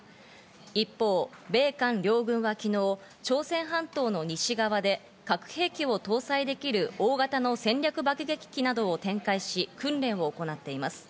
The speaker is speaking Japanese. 一方、米韓両軍は昨日、朝鮮半島の西側で核兵器を搭載できる大型の戦略爆撃機などを展開し、訓練を行っています。